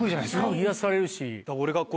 癒やされるし。